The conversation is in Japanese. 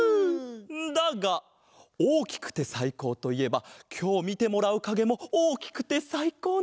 だがおおきくてさいこうといえばきょうみてもらうかげもおおきくてさいこうなんだ！